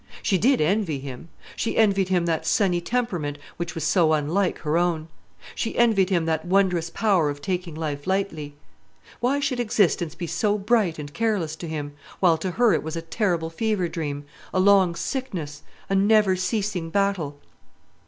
She did envy him; she envied him that sunny temperament which was so unlike her own; she envied him that wondrous power of taking life lightly. Why should existence be so bright and careless to him; while to her it was a terrible fever dream, a long sickness, a never ceasing battle?